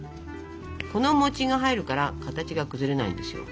この餅が入るから形が崩れないんですよ。